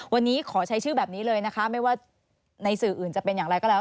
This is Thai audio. วันนี้ขอใช้ชื่อแบบนี้เลยนะคะไม่ว่าในสื่ออื่นจะเป็นอย่างไรก็แล้ว